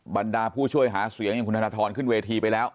บรรดาผู้ช่วยหาเสียงอย่างคุณธนทรขึ้นเวทีไปแล้ว